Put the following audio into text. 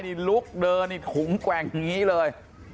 นี่ลุกเดินนี่ถุงแกว่งอย่างนี้เลย